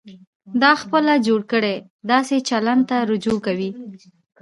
دا خپله جوړ کړي داسې چلند ته رجوع کوي.